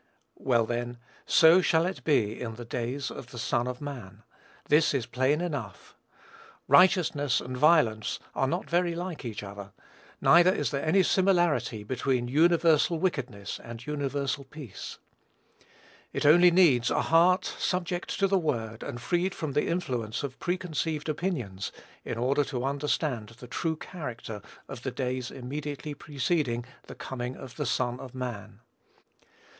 Well, then, "so shall it be in the days of the Son of man." This is plain enough. "Righteousness" and "violence" are not very like each other. Neither is there any similarity between universal wickedness and universal peace. It only needs a heart subject to the Word, and freed from the influence of preconceived opinions, in order to understand the true character of the days immediately preceding "the coming of the Son of man."